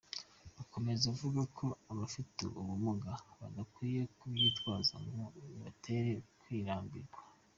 Akomeza avuga ko abafite ubumuga badakwiye kubyitwaza, ngo bibatere kwirambirwa.